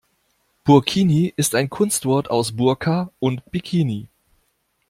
Burkini ist ein Kunstwort aus Burka und Bikini.